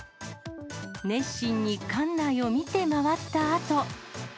熱心に館内を見て回ったあと。